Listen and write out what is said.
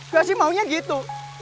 gak sih maunya gitu